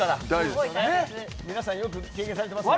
皆さん、よく研究されてますね。